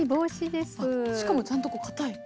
しかもちゃんとかたい。